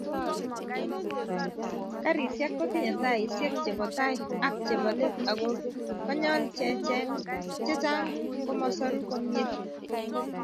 Garisiek kotinyei tanisiek chebo tai ak chebo let ago konyil chechang komosoru komie